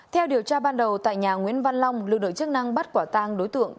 theo điều tra ban đầu tại nhà nguyễn văn long lực lượng chức năng bắt quả tang đối tượng